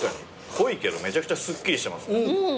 濃いけどめちゃくちゃすっきりしてます。